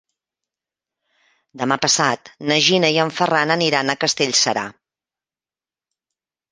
Demà passat na Gina i en Ferran aniran a Castellserà.